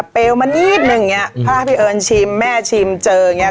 เปลวมานิดนึงอย่างนี้ถ้าพี่เอิญชิมแม่ชิมเจออย่างเงี้